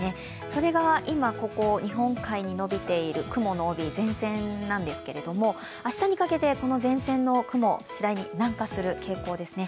それが今ここ日本海に延びている雲の帯、前線なんですけど明日にかけてこの前線の雲、次第に南下する傾向ですね。